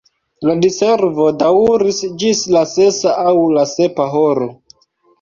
La diservo daŭris ĝis la sesa aŭ la sepa horo.